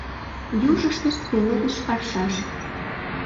Южыштышт пеледыш аршаш.